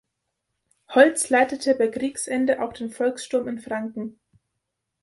Holz leitete bei Kriegsende auch den Volkssturm in Franken.